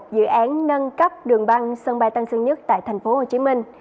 dự án nâng cấp đường băng sân bay tân sơn nhất tại tp hcm